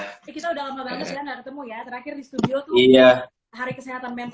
ini kita udah lama banget ya gak ketemu ya terakhir di studio tuh hari kesehatan mental